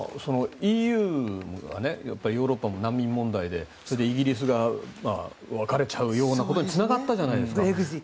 ＥＵとかヨーロッパも難民問題でイギリスが分かれちゃうようなことにつながったじゃないですか。